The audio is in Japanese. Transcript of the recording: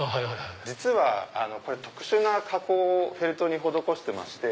実はこれ特殊な加工をフェルトに施してまして。